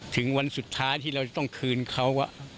ถึงวันสุดท้ายที่เราจะต้องคืนเขา